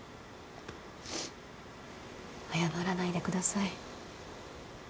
謝らないでください。